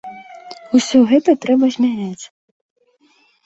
Усё гэта трэба змяняць.